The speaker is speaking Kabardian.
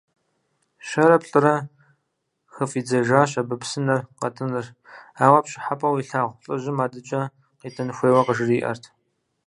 Щэрэ-плӏэрэ хыфӏидзэжащ абы псынэр къэтӏыныр, ауэ пщӏыхьэпӏэу илъагъу лӏыжьым адэкӏэ къитӏын хуейуэ къыжриӏэрт.